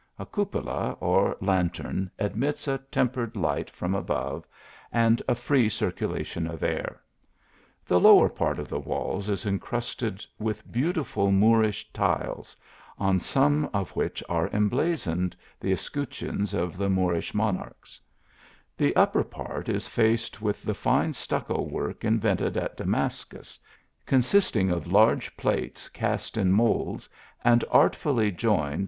A cupola or lantern admits a tempered fight from above, and a f ee circulation of air. The lower part of the walls ii ir crusted with beautiful Moorish tiles, on some oi which are emblazoned the escutcheons of the Moor ish monarchs : the upper part is faced with the fine stucco work invented at Damascus, consisting cl large plates cast in moulds and artfully joined.